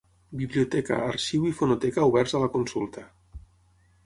Biblioteca, arxiu i fonoteca oberts a la consulta.